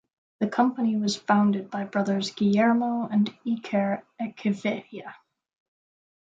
The company was founded by brothers Guillermo and Iker Echeverria.